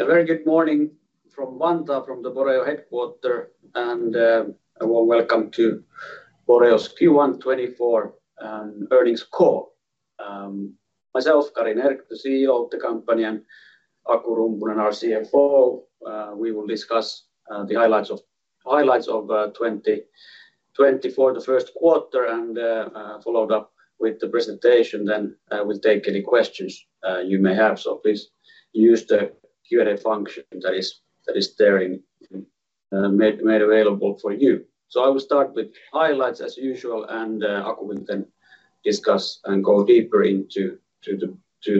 A very good morning from Vantaa, from the Boreo headquarters, and a warm welcome to Boreo's Q1 2024 earnings call. Myself, Kari Nerg, the CEO of the company, and Aku Rumpunen, our CFO. We will discuss the highlights of 2024, the first quarter, and followed up with the presentation, then we'll take any questions you may have. So please use the Q&A function that is there made available for you. So I will start with highlights as usual, and Aku will then discuss and go deeper into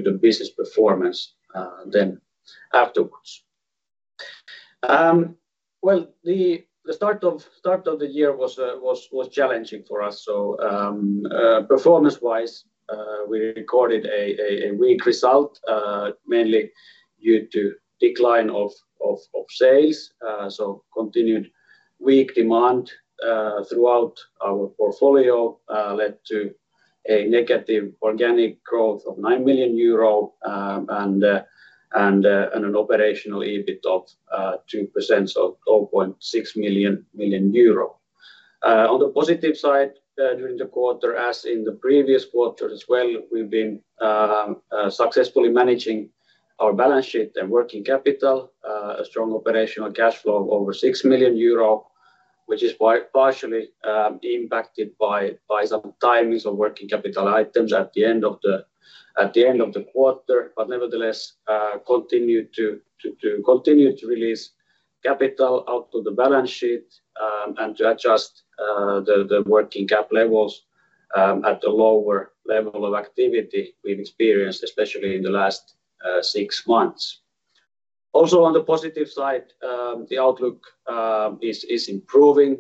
the business performance then afterwards. Well, the start of the year was challenging for us. So performance-wise, we recorded a weak result mainly due to decline of sales. So continued weak demand throughout our portfolio led to a negative organic growth of 9 million euro and an operational EBIT of 2%, so 0.6 million. On the positive side during the quarter, as in the previous quarters as well, we've been successfully managing our balance sheet and working capital, a strong operational cash flow over 6 million euro, which is partially impacted by some timings of working capital items at the end of the quarter, but nevertheless continued to release capital out of the balance sheet and to adjust the working cap levels at the lower level of activity we've experienced, especially in the last six months. Also on the positive side, the outlook is improving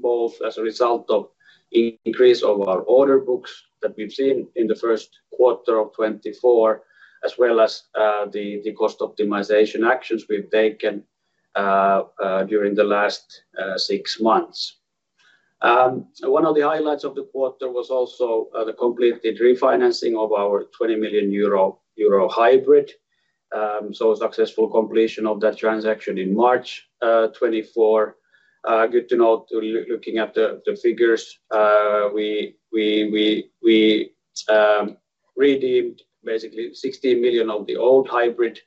both as a result of the increase of our order books that we've seen in the first quarter of 2024 as well as the cost optimization actions we've taken during the last six months. One of the highlights of the quarter was also the completed refinancing of our 20 million euro hybrid. So successful completion of that transaction in March 2024. Good to note looking at the figures, we redeemed basically 16 million of the old hybrid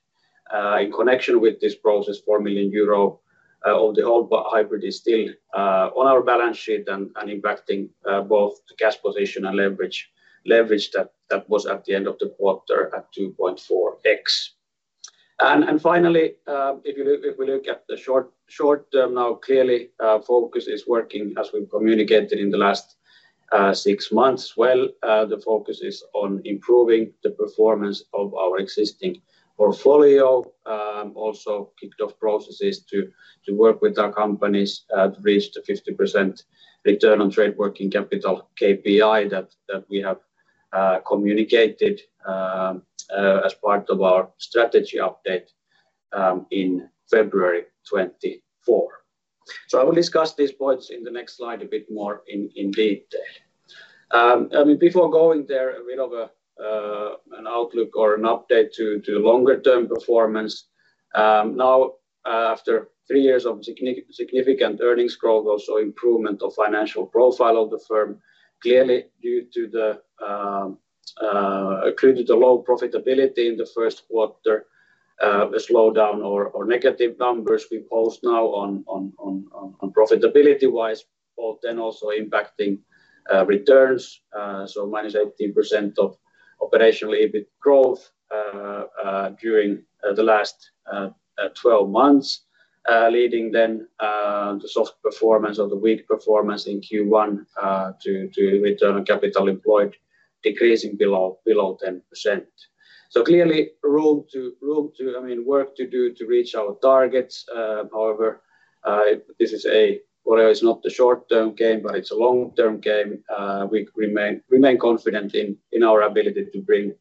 in connection with this process, 4 million euro of the old hybrid is still on our balance sheet and impacting both the cash position and leverage that was at the end of the quarter at 2.4x. And finally, if we look at the short-term now, clearly focus is working as we've communicated in the last six months as well. The focus is on improving the performance of our existing portfolio, also kicked off processes to work with our companies to reach the 50% return on trade working capital KPI that we have communicated as part of our strategy update in February 2024. So I will discuss these points in the next slide a bit more in detail. Before going there, a bit of an outlook or an update to longer-term performance. Now, after three years of significant earnings growth, also improvement of financial profile of the firm, clearly due to the low profitability in the first quarter, a slowdown or negative numbers we post now on profitability-wise, but then also impacting returns. So -18% operational EBIT growth during the last 12 months, leading then to soft performance or the weak performance in Q1 to return on capital employed decreasing below 10%. So clearly room to work to do to reach our targets. However, this is a Boreo is not the short-term game, but it's a long-term game. We remain confident in our ability to bring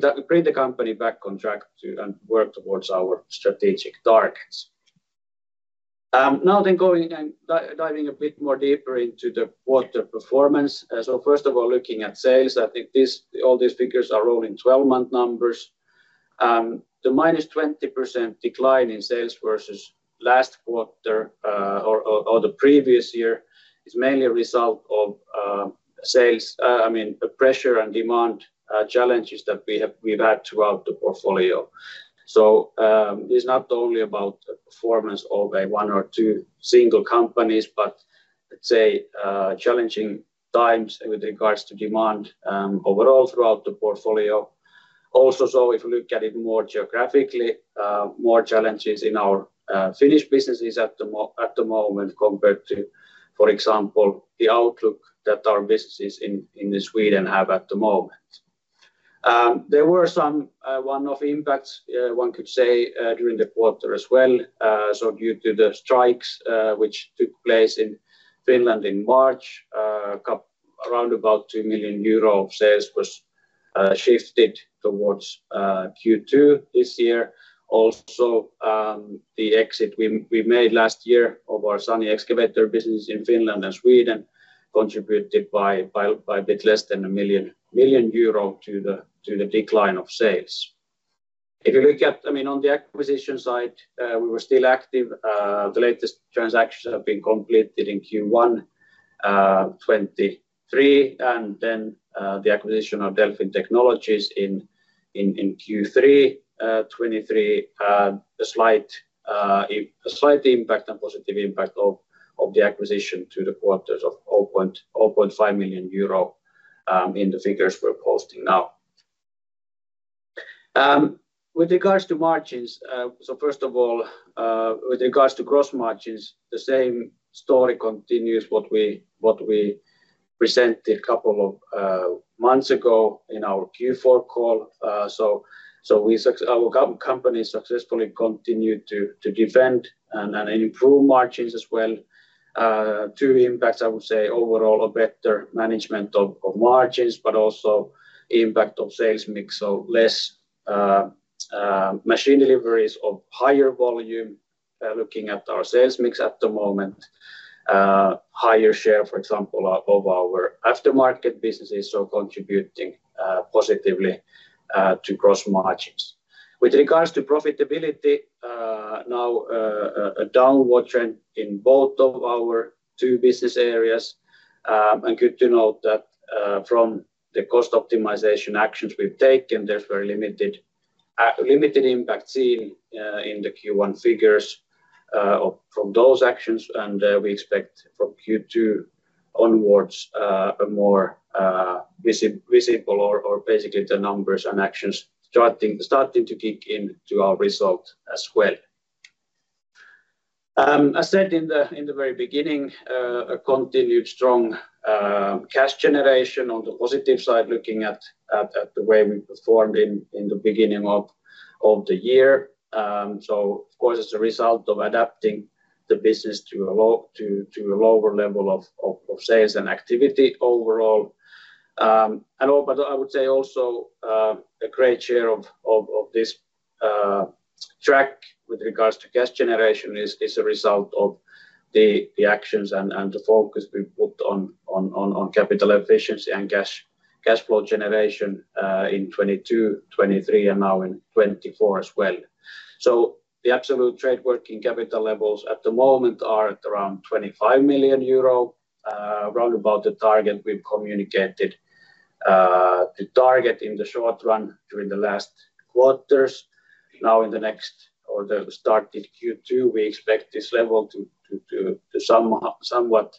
the company back on track and work towards our strategic targets. Now then going and diving a bit more deeper into the quarter performance. So first of all, looking at sales, I think all these figures are all in 12-month numbers. The -20% decline in sales versus last quarter or the previous year is mainly a result of sales pressure and demand challenges that we've had throughout the portfolio. So it's not only about performance of one or two single companies, but let's say challenging times with regards to demand overall throughout the portfolio. Also so, if you look at it more geographically, more challenges in our Finnish businesses at the moment compared to, for example, the outlook that our businesses in Sweden have at the moment. There were one of the impacts, one could say, during the quarter as well. So due to the strikes which took place in Finland in March, around about 2 million euro of sales was shifted towards Q2 this year. Also, the exit we made last year of our SANY Excavator business in Finland and Sweden contributed by a bit less than 1 million euro to the decline of sales. If you look at on the acquisition side, we were still active. The latest transactions have been completed in Q1 2023 and then the acquisition of Delfin Technologies in Q3 2023, a slight impact and positive impact of the acquisition to the quarters of 0.5 million euro in the figures we're posting now. With regards to margins, so first of all, with regards to gross margins, the same story continues what we presented a couple of months ago in our Q4 call. So our company successfully continued to defend and improve margins as well. Two impacts, I would say, overall, a better management of margins, but also impact of sales mix, so less machine deliveries of higher volume. Looking at our sales mix at the moment, higher share, for example, of our aftermarket businesses, so contributing positively to gross margins. With regards to profitability, now a downward trend in both of our two business areas. Good to note that from the cost optimization actions we've taken, there's very limited impact seen in the Q1 figures from those actions, and we expect from Q2 onwards a more visible or basically the numbers and actions starting to kick in to our result as well. As said in the very beginning, a continued strong cash generation on the positive side, looking at the way we performed in the beginning of the year. So, of course, as a result of adapting the business to a lower level of sales and activity overall. But I would say also a great share of this track with regards to cash generation is a result of the actions and the focus we put on capital efficiency and cash flow generation in 2022, 2023, and now in 2024 as well. So the absolute trade working capital levels at the moment are at around 25 million euro, round about the target we've communicated, the target in the short run during the last quarters. Now in the next or the start in Q2, we expect this level to somewhat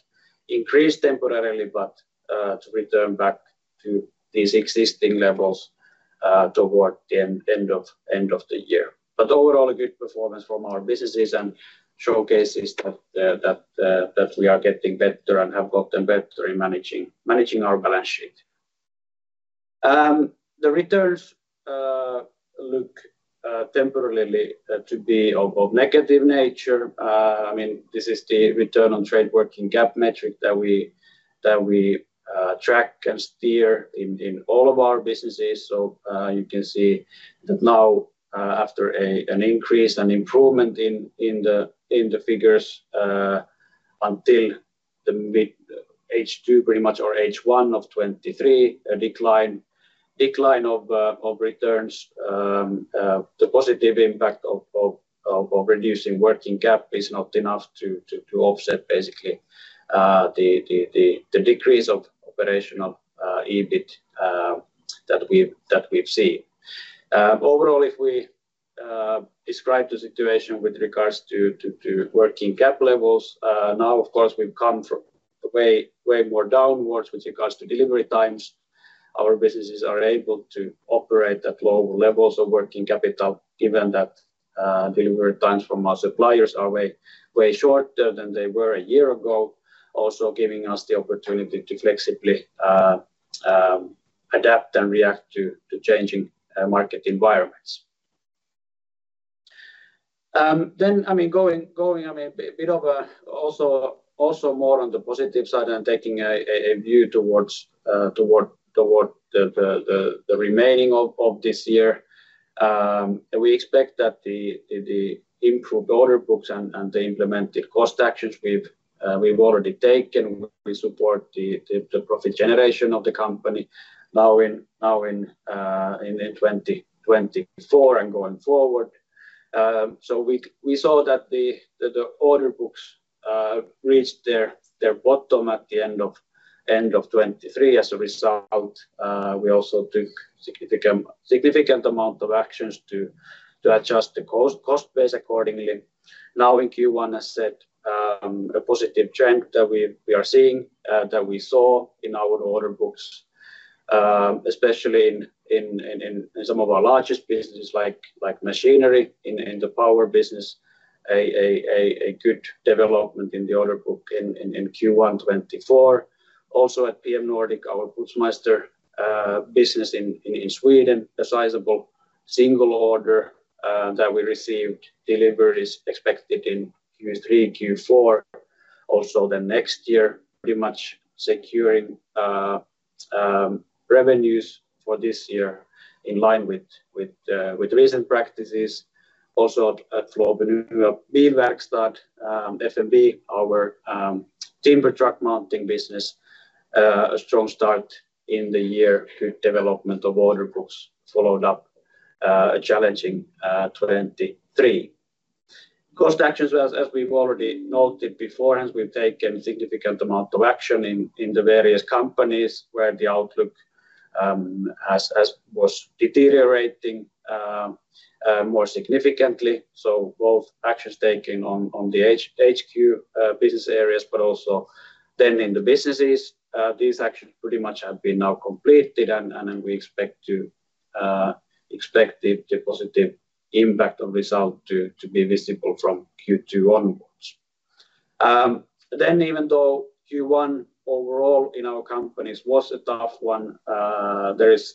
increase temporarily, but to return back to these existing levels toward the end of the year. But overall, a good performance from our businesses and showcases that we are getting better and have gotten better in managing our balance sheet. The returns look temporarily to be of negative nature. This is the return on trade working capital metric that we track and steer in all of our businesses. So you can see that now after an increase and improvement in the figures until the mid-H2 pretty much or H1 of 2023, a decline of returns, the positive impact of reducing working capital is not enough to offset basically the decrease of operational EBIT that we've seen. Overall, if we describe the situation with regards to working capital levels, now, of course, we've come way more downwards with regards to delivery times. Our businesses are able to operate at lower levels of working capital given that delivery times from our suppliers are way shorter than they were a year ago, also giving us the opportunity to flexibly adapt and react to changing market environments. Then going a bit of also more on the positive side and taking a view towards the remaining of this year, we expect that the improved order books and the implemented cost actions we've already taken will support the profit generation of the company now in 2024 and going forward. So we saw that the order books reached their bottom at the end of 2023. As a result, we also took a significant amount of actions to adjust the cost base accordingly. Now in Q1, as said, a positive trend that we are seeing, that we saw in our order books, especially in some of our largest businesses like Machinery in the power business, a good development in the order book in Q1 2024. Also at PM Nordic, our Putzmeister business in Sweden, a sizable single order that we received, deliveries expected in Q3, Q4, also then next year. Pretty much securing revenues for this year in line with recent practices. Also at Floby Nya Bilverkstad, FNB, our timber truck mounting business, a strong start in the year, good development of order books followed up a challenging 2023. Cost actions, as we've already noted beforehand, we've taken a significant amount of action in the various companies where the outlook was deteriorating more significantly. So both actions taken on the HQ business areas, but also then in the businesses, these actions pretty much have been now completed and we expect the positive impact of result to be visible from Q2 onwards. Then even though Q1 overall in our companies was a tough one, there is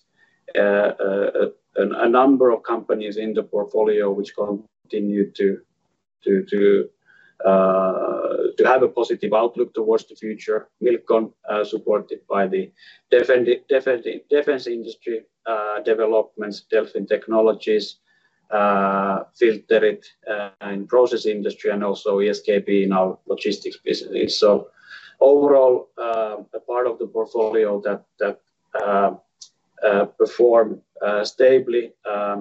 a number of companies in the portfolio which continue to have a positive outlook towards the future. Milcon supported by the defense industry developments, Delfin Technologies, Filterit in process industry, and also ESKP in our logistics business. Overall, a part of the portfolio that perform stably,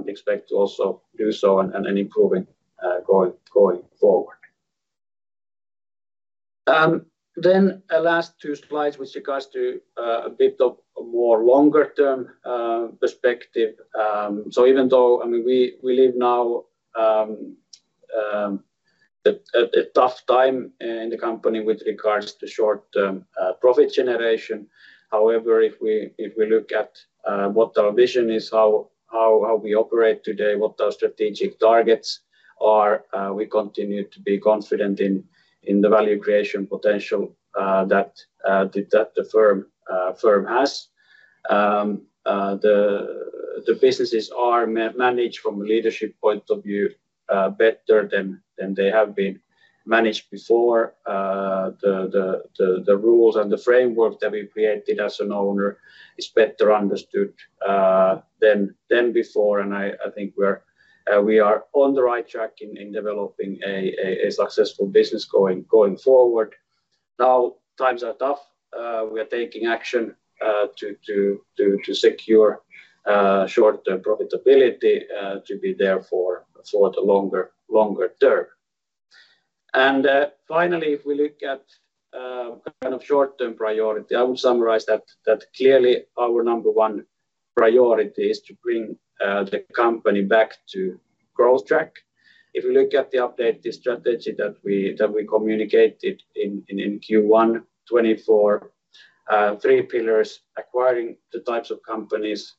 expect to also do so and improving going forward. Last two slides with regards to a bit of more longer-term perspective. Even though we live now a tough time in the company with regards to short-term profit generation, however, if we look at what our vision is, how we operate today, what our strategic targets are, we continue to be confident in the value creation potential that the firm has. The businesses are managed from a leadership point of view better than they have been managed before. The rules and the framework that we created as an owner is better understood than before, and I think we are on the right track in developing a successful business going forward. Now times are tough. We are taking action to secure short-term profitability to be there for the longer-term. And finally, if we look at kind of short-term priority, I would summarize that clearly our number one priority is to bring the company back to growth track. If we look at the update strategy that we communicated in Q1 2024, three pillars: acquiring the types of companies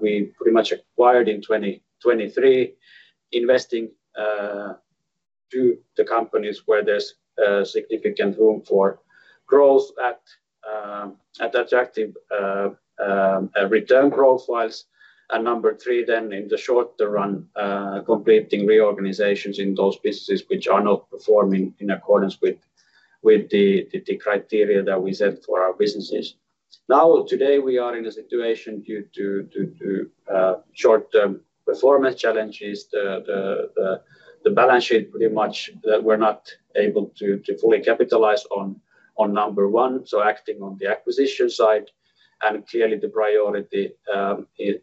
we pretty much acquired in 2023, investing to the companies where there's significant room for growth at attractive return profiles, and number three then in the short-term run, completing reorganizations in those businesses which are not performing in accordance with the criteria that we set for our businesses. Now today we are in a situation due to short-term performance challenges. The balance sheet pretty much that we're not able to fully capitalize on number one. So acting on the acquisition side, and clearly the priority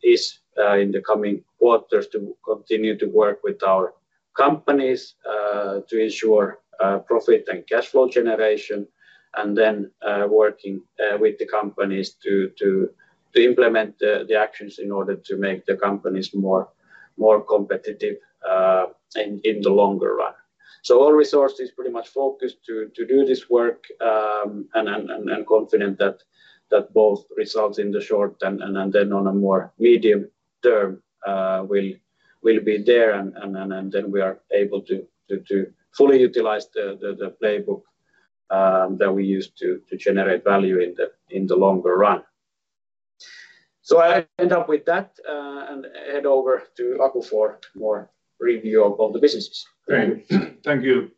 is in the coming quarters to continue to work with our companies to ensure profit and cash flow generation, and then working with the companies to implement the actions in order to make the companies more competitive in the longer run. So all resources pretty much focused to do this work and confident that both results in the short and then on a more medium-term will be there, and then we are able to fully utilize the playbook that we use to generate value in the longer run. So I end up with that and head over to Aku for more review of all the businesses. Thank you.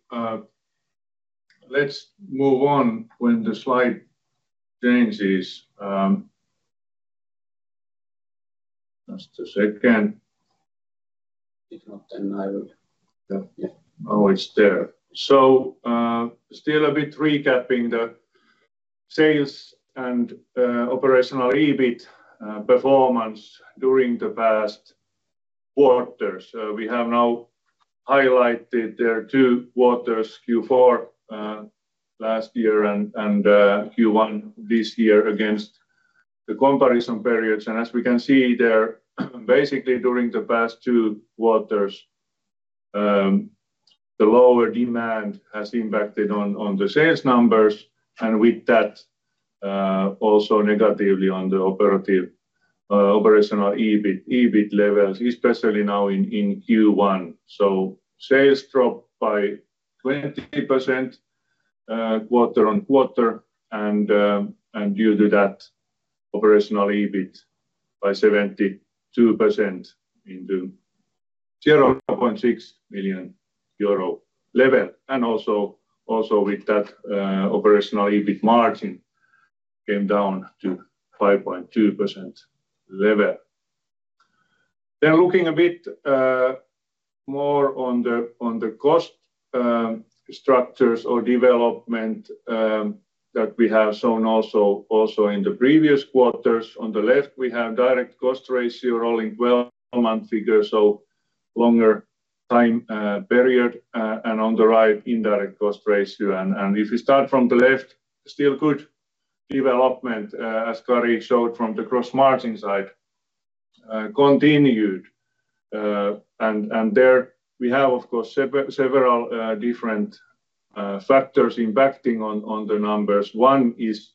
Let's move on when the slide changes. Just a second. If not, then I will. Oh, it's there. So still a bit recapping the sales and operational EBIT performance during the past quarters. We have now highlighted there are 2 quarters, Q4 last year and Q1 this year against the comparison periods. And as we can see there, basically during the past 2 quarters, the lower demand has impacted on the sales numbers and with that also negatively on the operational EBIT levels, especially now in Q1. So sales drop by 20% quarter-on-quarter and due to that, operational EBIT by 72% into 0.6 million euro level. And also with that operational EBIT margin came down to 5.2% level. Then looking a bit more on the cost structures or development that we have shown also in the previous quarters. On the left, we have direct cost ratio rolling 12-month figures, so longer time period, and on the right, indirect cost ratio. If we start from the left, still good development as Kari showed from the gross-margin side continued. There we have, of course, several different factors impacting on the numbers. One is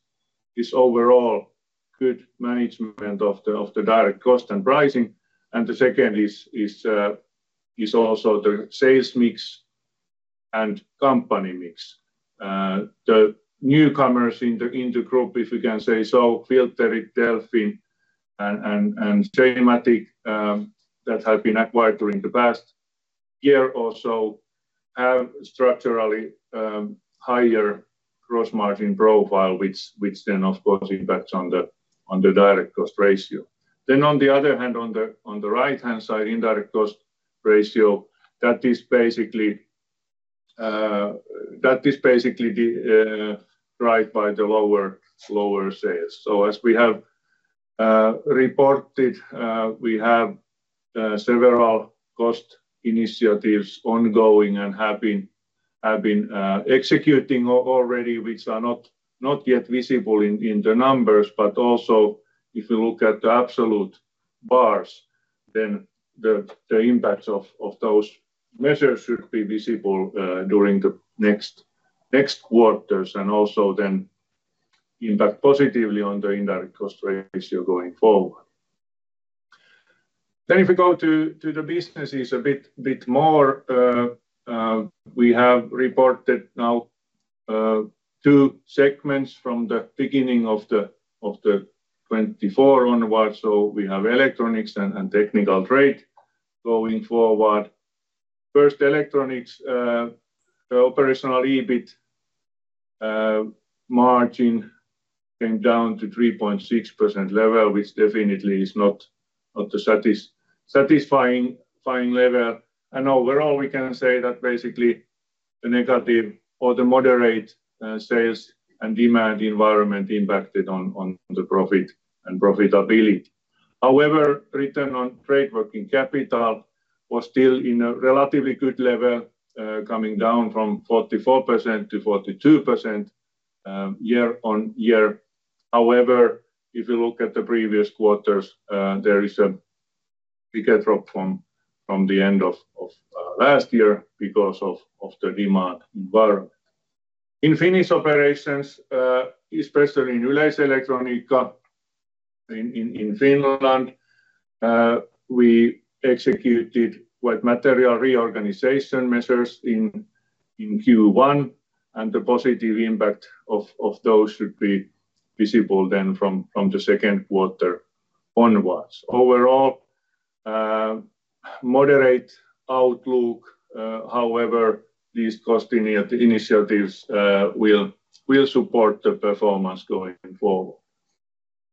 overall good management of the direct cost and pricing, and the second is also the sales mix and company mix. The newcomers in the group, if we can say so, Filterit, Delfin, and [Sematic] that have been acquired during the past year or so have structurally higher gross-margin profile, which then, of course, impacts on the direct cost ratio. On the other hand, on the right-hand side, indirect cost ratio, that is basically driven by the lower sales. So as we have reported, we have several cost initiatives ongoing and have been executing already, which are not yet visible in the numbers. But also if we look at the absolute bars, then the impacts of those measures should be visible during the next quarters and also then impact positively on the indirect cost ratio going forward. Then if we go to the businesses a bit more, we have reported now two segments from the beginning of 2024 onwards. So we have electronics and technical trade going forward. First, electronics, the operational EBIT margin came down to 3.6% level, which definitely is not the satisfying level. And overall, we can say that basically the negative or the moderate sales and demand environment impacted on the profit and profitability. However, return on trade working capital was still in a relatively good level, coming down from 44% to 42% year-over-year. However, if you look at the previous quarters, there is a bigger drop from the end of last year because of the demand environment. In Finnish operations, especially in Yleiselektroniikka in Finland, we executed quite material reorganization measures in Q1, and the positive impact of those should be visible then from the second quarter onwards. Overall, moderate outlook, however, these cost initiatives will support the performance going forward.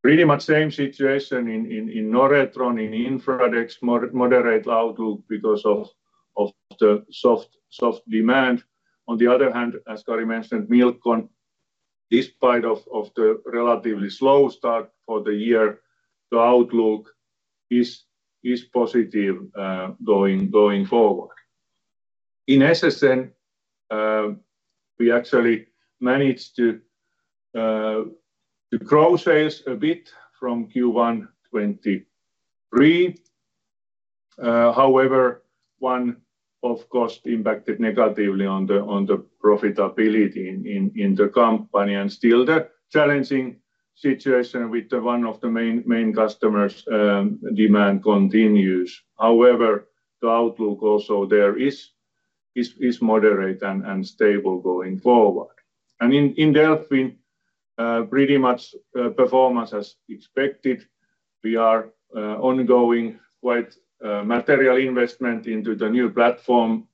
Pretty much same situation in Noretron, in Infradex, moderate outlook because of the soft demand. On the other hand, as Kari mentioned, Milcon, despite the relatively slow start for the year, the outlook is positive going forward. In SSN, we actually managed to grow sales a bit from Q1 2023. However, one of costs impacted negatively on the profitability in the company, and still the challenging situation with one of the main customers, demand continues. However, the outlook also there is moderate and stable going forward. In Delfin, pretty much performance as expected. We are ongoing quite material investment into the new platform,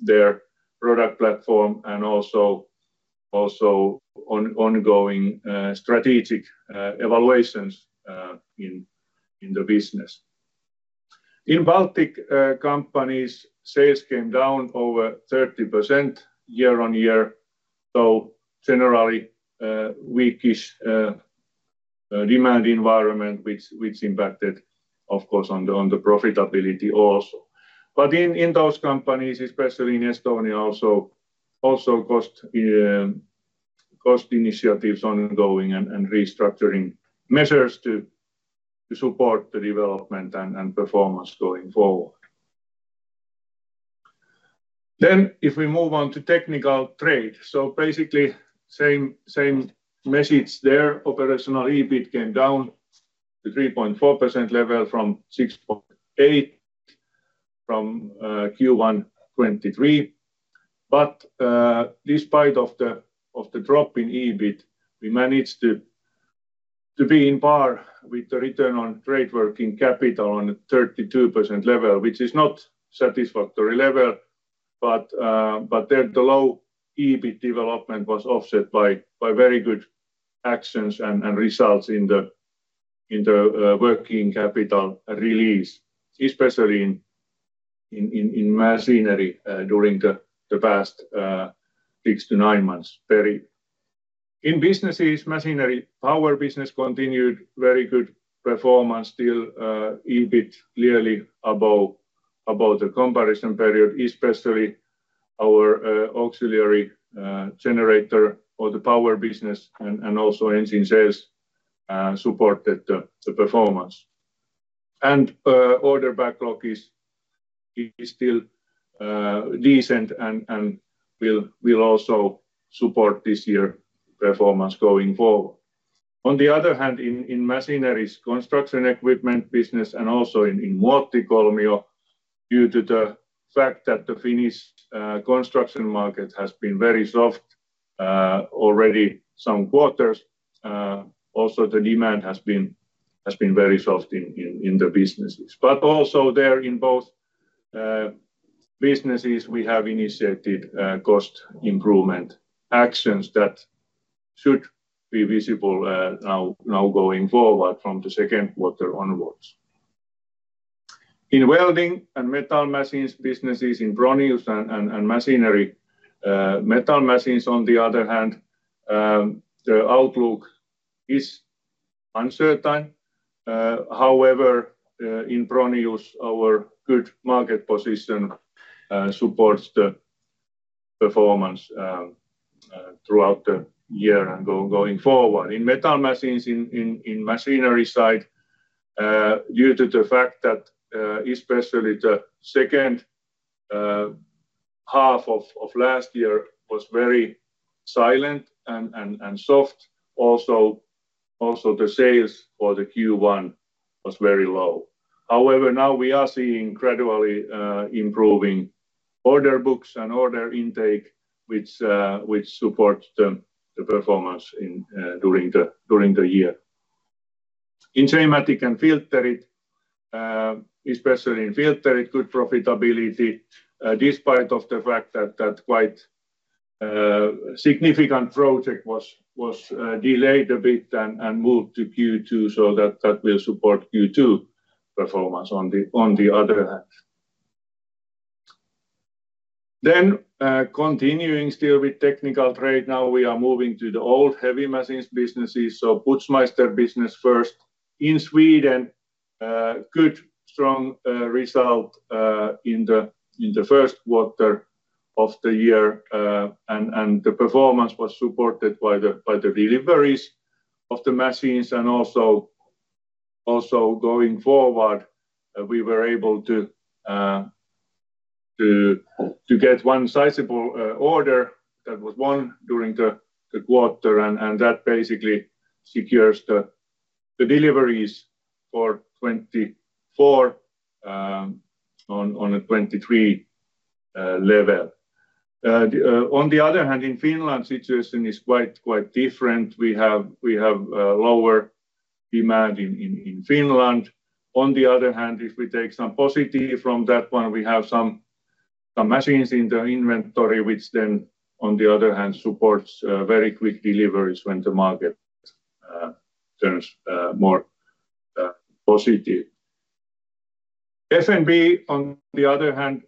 their product platform, and also ongoing strategic evaluations in the business. In Baltic companies, sales came down over 30% year-over-year. So generally, weakish demand environment, which impacted, of course, on the profitability also. But in those companies, especially in Estonia also, cost initiatives ongoing and restructuring measures to support the development and performance going forward. If we move on to Technical Trade. So basically same message there. Operational EBIT came down to 3.4% level from 6.8% from Q1 2023. But despite the drop in EBIT, we managed to be on par with the return on trade working capital on the 32% level, which is not satisfactory level. But the low EBIT development was offset by very good actions and results in the working capital release, especially in Machinery during the past six to nine months. In businesses, Machinery power business continued very good performance, still EBIT clearly above the comparison period, especially our auxiliary generator or the power business and also engine sales supported the performance. And order backlog is still decent and will also support this year performance going forward. On the other hand, in Machinery's construction equipment business, and also in Muottikolmio due to the fact that the Finnish construction market has been very soft already some quarters, also the demand has been very soft in the businesses. But also there in both businesses, we have initiated cost improvement actions that should be visible now going forward from the second quarter onwards. In welding and metal machines businesses in Fronius and Machinery, metal machines on the other hand, the outlook is uncertain. However, in Fronius, our good market position supports the performance throughout the year and going forward. In metal machines, in Machinery side, due to the fact that especially the second half of last year was very silent and soft, also the sales for the Q1 was very low. However, now we are seeing gradually improving order books and order intake, which supports the performance during the year. In [Sematic] and Filterit, especially in Filterit, good profitability despite of the fact that quite significant project was delayed a bit and moved to Q2, so that will support Q2 performance on the other hand. Then continuing still with technical trade, now we are moving to the old heavy machines businesses. So Putzmeister business first in Sweden, good strong result in the first quarter of the year, and the performance was supported by the deliveries of the machines. And also going forward, we were able to get one sizable order that was won during the quarter, and that basically secures the deliveries for 2024 on a 2023 level. On the other hand, in Finland, situation is quite different. We have lower demand in Finland. On the other hand, if we take some positive from that one, we have some machines in the inventory, which then on the other hand supports very quick deliveries when the market turns more positive. FNB, on the other hand,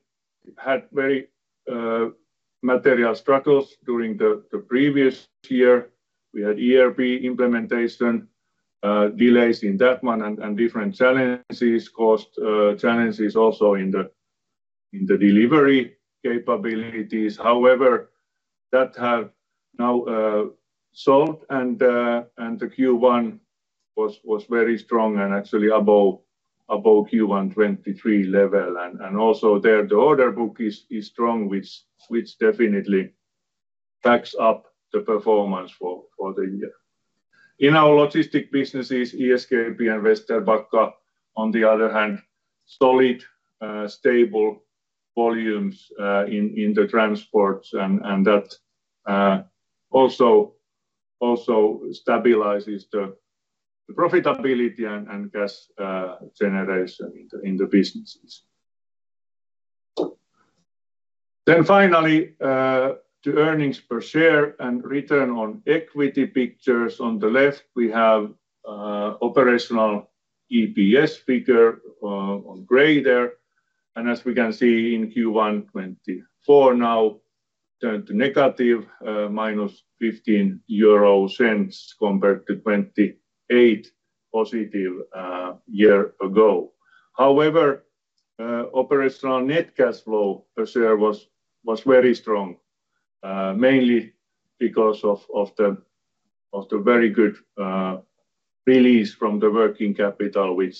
had very material struggles during the previous year. We had ERP implementation delays in that one and different challenges, cost challenges also in the delivery capabilities. However, that have now solved, and the Q1 was very strong and actually above Q1 2023 level. And also there, the order book is strong, which definitely backs up the performance for the year. In our logistic businesses, ESKP and Vesterbacka, on the other hand, solid, stable volumes in the transports, and that also stabilizes the profitability and cash generation in the businesses. Then finally, to earnings per share and return on equity pictures, on the left, we have operational EPS figure on gray there. And as we can see in Q1 2024 now, turned to negative, minus 0.15 compared to positive EUR 0.28 year ago. However, operational net cash flow per share was very strong, mainly because of the very good release from the working capital, which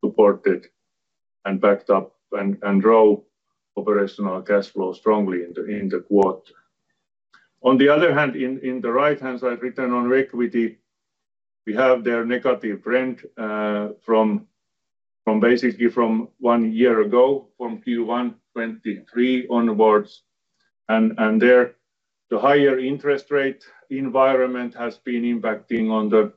supported and backed up and drove operational cash flow strongly in the quarter. On the other hand, in the right-hand side, return on equity, we have there a negative trend basically from one year ago, from Q1 2023 onwards. And there, the higher interest rate environment has been impacting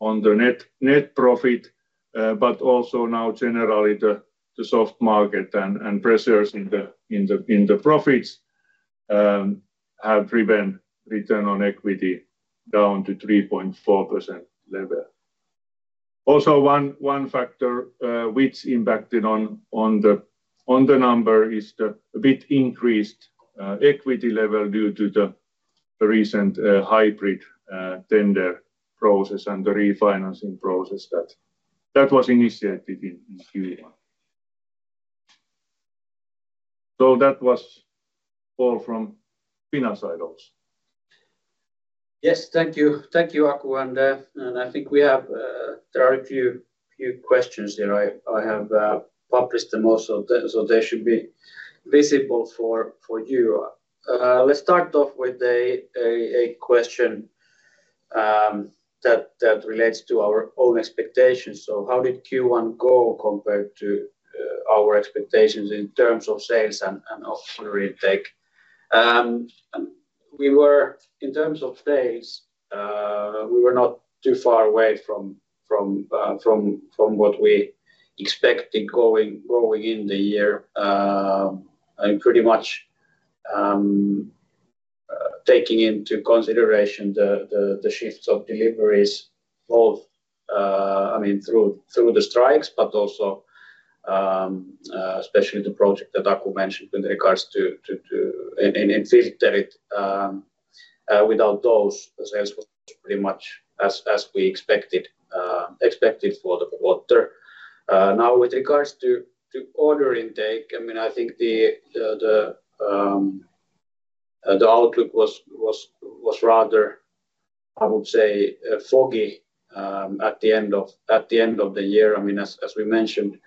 on the net profit, but also now generally the soft market and pressures in the profits have driven return on equity down to 3.4% level. Also one factor which impacted on the number is the a bit increased equity level due to the recent hybrid tender process and the refinancing process that was initiated in Q1. So that was all from Finland side also. Yes, thank you. Thank you, Aku. I think there are a few questions here. I have published them also, so they should be visible for you. Let's start off with a question that relates to our own expectations. So how did Q1 go compared to our expectations in terms of sales and order intake? In terms of sales, we were not too far away from what we expected going in the year, pretty much taking into consideration the shifts of deliveries both through the strikes, but also especially the project that Aku mentioned with regards to Filterit. Without those, sales was pretty much as we expected for the quarter. Now, with regards to order intake, I mean, I think the outlook was rather, I would say, foggy at the end of the year. I mean, as we mentioned,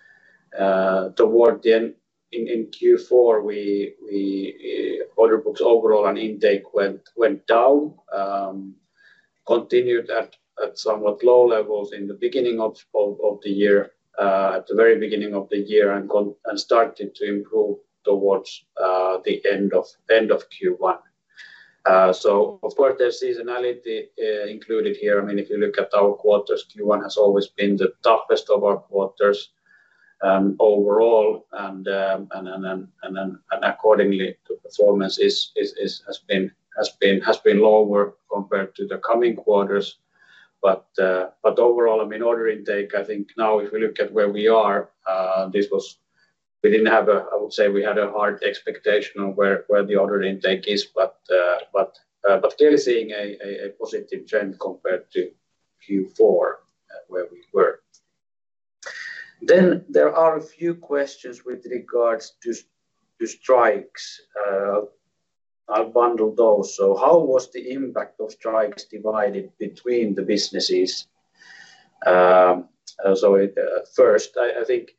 toward the end in Q4, order books overall and intake went down, continued at somewhat low levels in the beginning of the year, at the very beginning of the year, and started to improve towards the end of Q1. So, of course, there's seasonality included here. I mean, if you look at our quarters, Q1 has always been the toughest of our quarters overall, and accordingly, the performance has been lower compared to the coming quarters. But overall, I mean, order intake, I think now if we look at where we are, we didn't have a, I would say, we had a hard expectation on where the order intake is, but clearly seeing a positive trend compared to Q4 where we were. Then there are a few questions with regards to strikes. I'll bundle those. So how was the impact of strikes divided between the businesses? So first, I think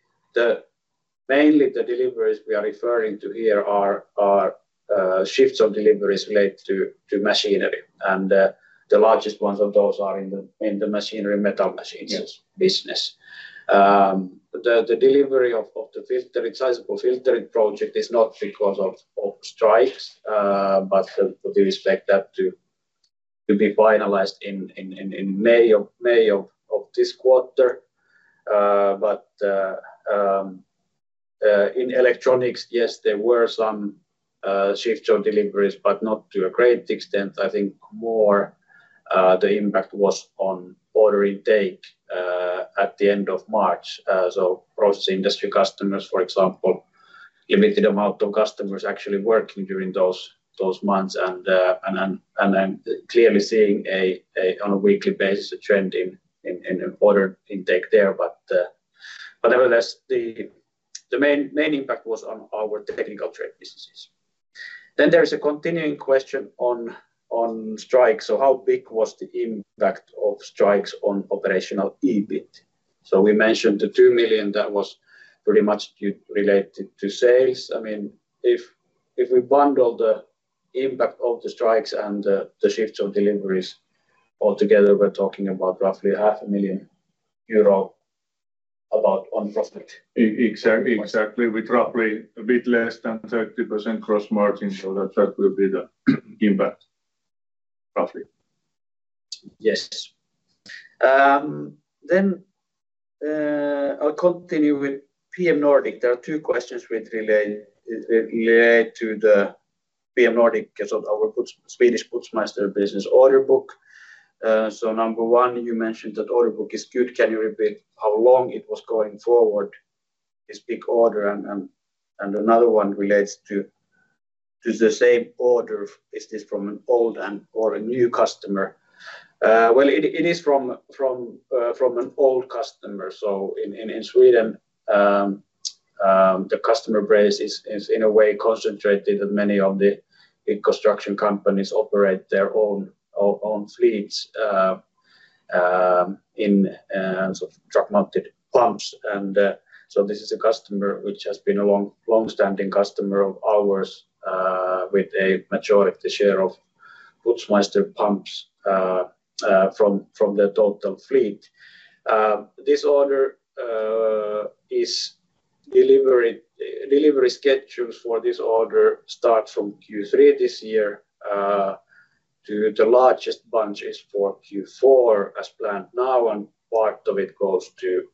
mainly the deliveries we are referring to here are shifts of deliveries related to Machinery. And the largest ones of those are in the Machinery metal machines business. The delivery of the sizable Filterit project is not because of strikes, but we expect that to be finalized in May of this quarter. But in electronics, yes, there were some shifts of deliveries, but not to a great extent. I think more the impact was on order intake at the end of March. So process industry customers, for example, limited amount of customers actually working during those months and clearly seeing on a weekly basis a trend in order intake there. But nevertheless, the main impact was on our Technical Trade businesses. Then there is a continuing question on strikes. How big was the impact of strikes on operational EBIT? We mentioned the 2 million that was pretty much related to sales. I mean, if we bundle the impact of the strikes and the shifts of deliveries altogether, we're talking about roughly 500,000 euro about on profit. Exactly, with roughly a bit less than 30% cross margin. So that will be the impact, roughly. Yes. Then I'll continue with PM Nordic. There are two questions related to the PM Nordic, so our Swedish Putzmeister business order book. So number one, you mentioned that order book is good. Can you repeat how long it was going forward, this big order? And another one relates to the same order. Is this from an old or a new customer? Well, it is from an old customer. So in Sweden, the customer base is in a way concentrated that many of the big construction companies operate their own fleets in truck-mounted pumps. And so this is a customer which has been a longstanding customer of ours with a majority share of Putzmeister pumps from the total fleet. Delivery schedules for this order start from Q3 this year. The largest bunch is for Q4 as planned now, and part of it goes to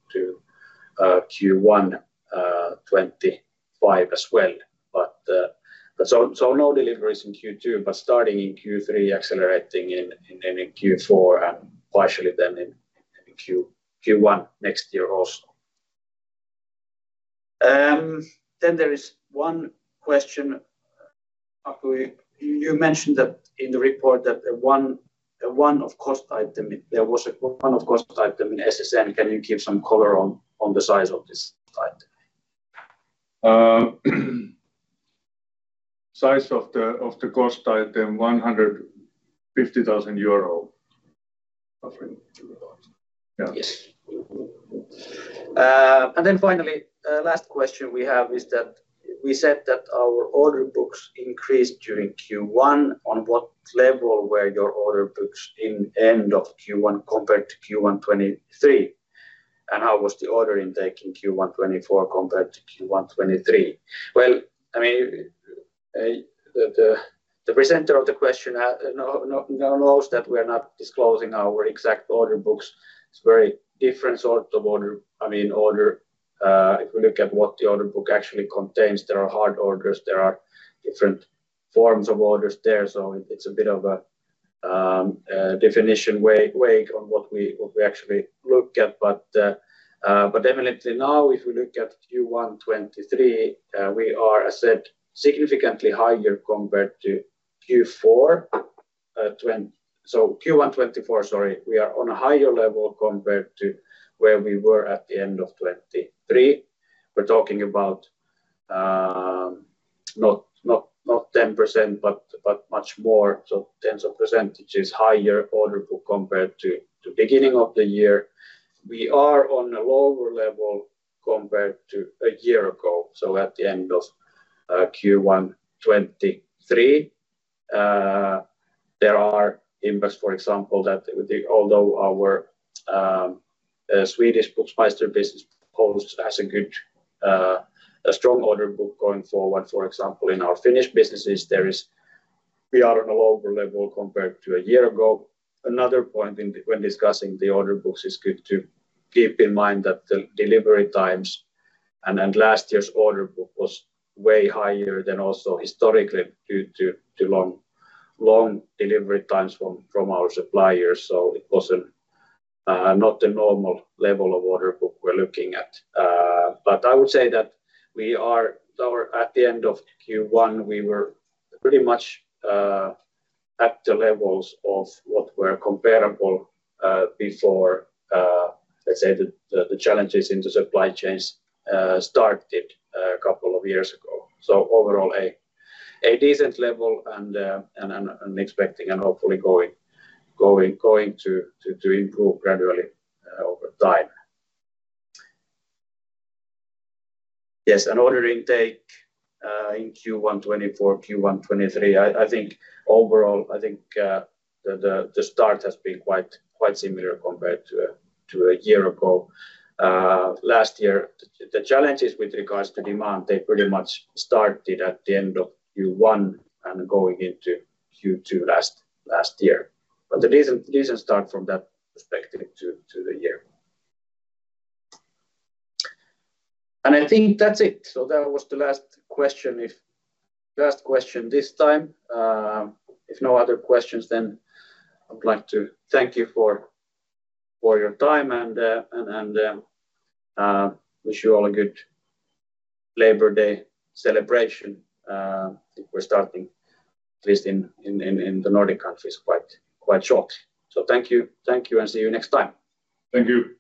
Q1 2025 as well. So no deliveries in Q2, but starting in Q3, accelerating in Q4 and partially then in Q1 next year also. Then there is one question, Aku. You mentioned that in the report that one of cost items, there was one of cost items in SSN. Can you give some color on the size of this item? Size of the cost item, 150,000 euro, roughly. Yes. And then finally, last question we have is that we said that our order books increased during Q1. On what level were your order books in end of Q1 compared to Q1 2023? And how was the order intake in Q1 2024 compared to Q1 2023? Well, I mean, the presenter of the question knows that we are not disclosing our exact order books. It's a very different sort of order. I mean, if we look at what the order book actually contains, there are hard orders. There are different forms of orders there. So it's a bit of a definition wake on what we actually look at. But definitely now, if we look at Q1 2024, sorry, we are on a higher level compared to where we were at the end of 2023. We're talking about not 10%, but much more, so tens of percentages higher order book compared to beginning of the year. We are on a lower level compared to a year ago. So at the end of Q1 2023, there are inputs, for example, that although our Swedish Putzmeister business posts as a strong order book going forward, for example, in our Finnish businesses, we are on a lower level compared to a year ago. Another point when discussing the order books is good to keep in mind that the delivery times and last year's order book was way higher than also historically due to long delivery times from our suppliers. So it was not the normal level of order book we're looking at. But I would say that at the end of Q1, we were pretty much at the levels of what were comparable before, let's say, the challenges into supply chains started a couple of years ago. So overall, a decent level and expecting and hopefully going to improve gradually over time. Yes, and order intake in Q1 2024, Q1 2023, I think overall, I think the start has been quite similar compared to a year ago. Last year, the challenges with regards to demand, they pretty much started at the end of Q1 and going into Q2 last year. But a decent start from that perspective to the year. And I think that's it. So that was the last question this time. If no other questions, then I'd like to thank you for your time and wish you all a good Labor Day celebration if we're starting, at least in the Nordic countries, quite shortly. So thank you and see you next time. Thank you.